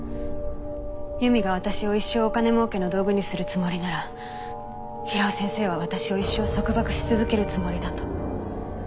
由美が私を一生お金儲けの道具にするつもりなら平尾先生は私を一生束縛し続けるつもりだと。